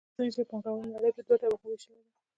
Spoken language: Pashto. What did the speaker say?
لکه څنګه چې پانګواله نړۍ په دوو طبقو ویشلې ده.